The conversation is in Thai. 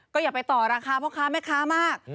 ก็อย่าไปต่อราคาเพราะค้าไม่ค้ามาก